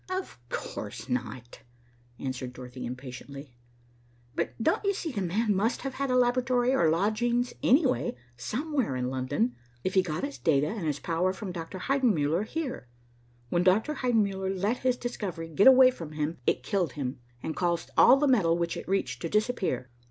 "Of course not," answered Dorothy impatiently. "But don't you see the man must have had a laboratory, or lodgings, anyway, somewhere in London, if he got his data and his power from Dr. Heidenmuller here. When Dr. Heidenmuller let his discovery get away from him, it killed him, and caused all the metal which it reached to disappear.